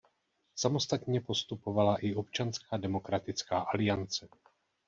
Samostatně postupovala i Občanská demokratická aliance.